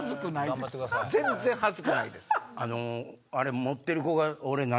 全然ハズくないです！